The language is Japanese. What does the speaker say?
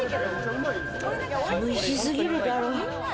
美味しすぎるだろ。